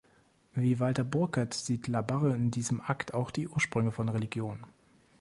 Wie Walter Burkert sieht La Barre in diesem Akt auch die Ursprünge von Religion.